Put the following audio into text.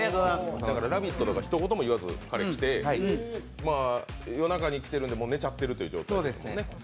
「ラヴィット！」とかひと言も言わず、夜中に来てるんでもう寝ちゃってるという状況。